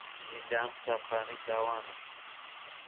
زیندان قوتابخانەی تاوانە.